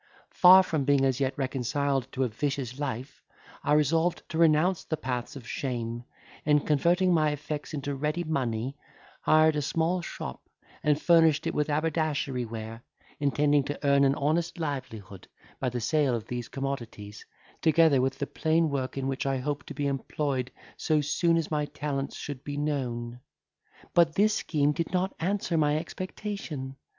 Far from being as yet reconciled to a vicious life, I resolved to renounce the paths of shame, and, converting my effects into ready money, hired a small shop, and furnished it with haberdashery ware, intending to earn an honest livelihood by the sale of these commodities, together with the plain work in which I hoped to be employed so soon as my talents should be known. But this scheme did not answer my expectation.